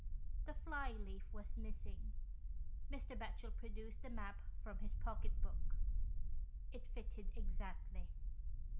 The fly leaf was missing. Mr. Batchel produced the map from his pocket book. It fitted exactly.